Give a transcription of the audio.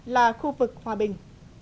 là khu vực hòa bình